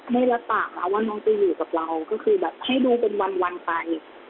ได้รับปากแล้วว่าน้องจะอยู่กับเราก็คือแบบให้ดูเป็นวันไป